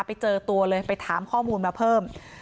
ไปเจอตัวเลยไปถามข้อมูลมาเพิ่ม